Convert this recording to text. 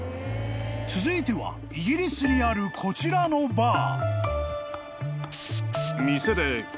［続いてはイギリスにあるこちらのバー］